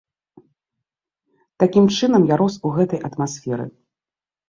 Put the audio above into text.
Такім чынам, я рос у гэтай атмасферы.